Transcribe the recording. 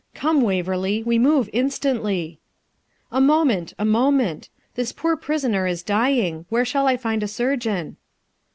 Come, Waverley, we move instantly.' 'A moment a moment; this poor prisoner is dying; where shall I find a surgeon?'